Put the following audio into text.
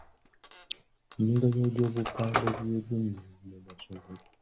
Emiganyulwo gy’obupande bwe by’ebyennimu mu masomero.